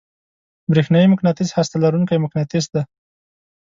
برېښنايي مقناطیس هسته لرونکی مقناطیس دی.